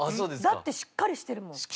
だってしっかりしてるもん。